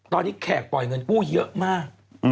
ตอนนี้แขกปล่อยเงินกู้เยอะมาก